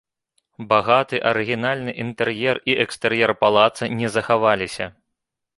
Багаты арыгінальны інтэр'ер і экстэр'ер палаца не захаваліся.